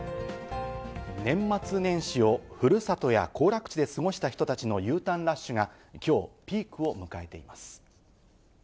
年末年始をふるさとや行楽地で過ごした人たちのＵターンラッシュが、きょうピークを迎えています。